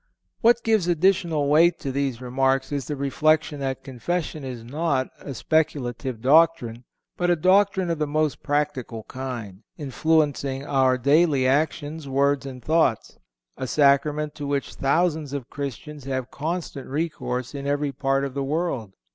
What gives additional weight to these remarks is the reflection that Confession is not a speculative doctrine, but a doctrine of the most practical kind, influencing our daily actions, words and thoughts—a Sacrament to which thousands of Christians have constant recourse in every part of the world.